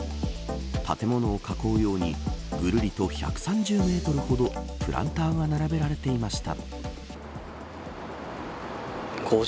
建物を囲うようにぐるりと１３０メートルほどプランターが並べられていました。